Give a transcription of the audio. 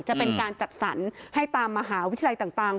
จะเป็นการจัดสรรให้ตามมหาวิทยาลัยต่าง